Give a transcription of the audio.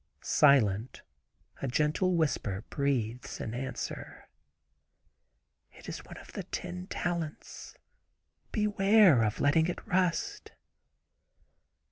Silent a gentle whisper breathes in answer, "It is one of the ten talents! beware of letting it rust!"